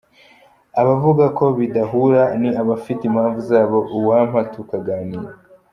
Abavuga ko bidahura ni abafite impamvu zabo, uwampa tukaganira.